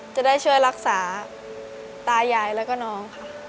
จะได้ช่วยรักษาตายายแล้วก็น้องค่ะ